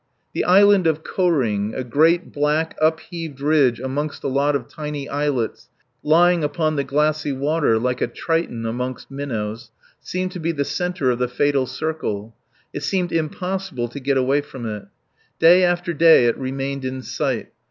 The island of Koh ring, a great, black, upheaved ridge amongst a lot of tiny islets, lying upon the glassy water like a triton amongst minnows, seemed to be the centre of the fatal circle. It seemed impossible to get away from it. Day after day it remained in sight.